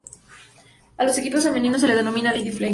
A los equipos femeninos se les denomina "Lady Flames".